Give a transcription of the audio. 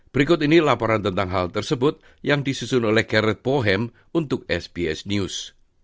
berikut ini laporan tentang hal tersebut yang disusun oleh karet pohem untuk sbs news